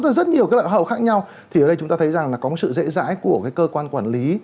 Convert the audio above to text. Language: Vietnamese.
rất nhiều cái loại hậu khác nhau thì ở đây chúng ta thấy rằng là có một sự dễ dãi của cái cơ quan quản lý